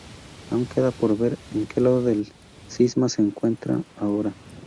Aún queda por ver en que lado del cisma se encuentra ahora.